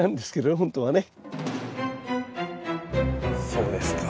そうですか。